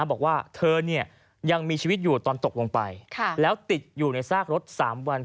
บอกว่าเธอยังมีชีวิตอยู่ตอนตกลงไปแล้วติดอยู่ในซากรถ๓วัน